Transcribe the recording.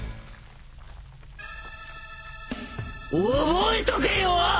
覚えとけよ！